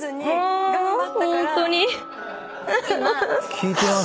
聞いてます？